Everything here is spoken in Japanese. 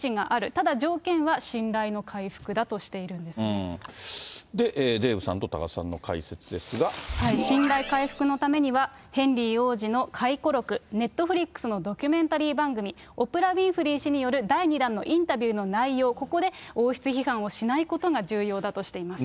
ただ、条件は信頼の回復だとしてデーブさんと多賀さんの解説信頼回復のためには、ヘンリー王子の回顧録、ネットフリックスのドキュメンタリー番組、オプラ・ビーフリー氏によるインタビューの内容、ここで王室批判をしないことが重要だとしています。